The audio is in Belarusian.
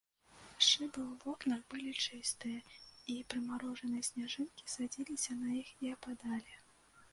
Шыбы ў вокнах былі чыстыя, і прымарожаныя сняжынкі садзіліся на іх і ападалі.